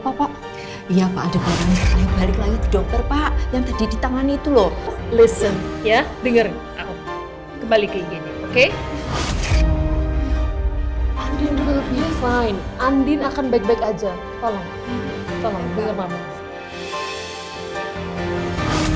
pak bapak harus kembali dokter akan memeriksa kondisi bapak pak